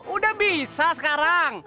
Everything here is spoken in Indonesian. udah bisa sekarang